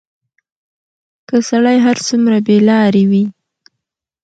که سړى هر څومره بېلارې وي،